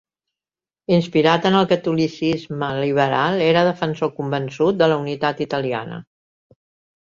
Inspirat en el catolicisme liberal, era defensor convençut de la unitat italiana.